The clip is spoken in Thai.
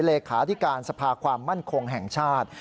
เลขาธิการสภาความมั่นคงแห่งชาติ